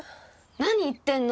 何言ってんの！